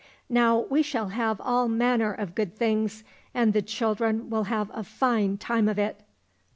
Now we shall have all manner of good things, and the children will have a fine time of it."